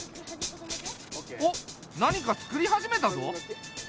おっ何かつくり始めたぞ。